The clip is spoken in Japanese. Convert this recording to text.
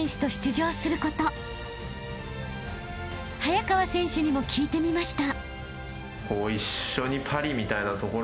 ［早川選手にも聞いてみました］